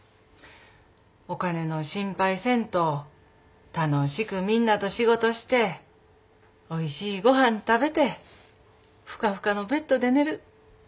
お金の心配せんと楽しくみんなと仕事しておいしいご飯食べてふかふかのベッドで寝る。